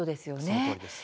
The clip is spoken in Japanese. そのとおりです。